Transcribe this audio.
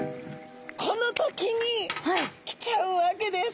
この時に来ちゃうわけです。